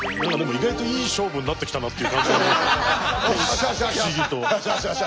意外といい勝負になってきたなっていう感じ不思議と。